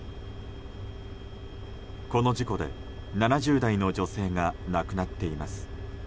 この事故で７０代の女性が亡くなっています。